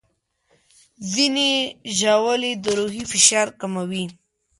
ځینې ژاولې د روحي فشار کموي.